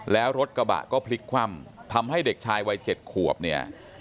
แล้วรถกระบะก็พลิกคว่ำทำให้เด็กชายวัย๗ขวบเนี่ย